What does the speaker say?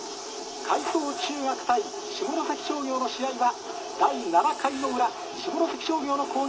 海草中学対下関商業の試合は第７回の裏下関商業の攻撃です。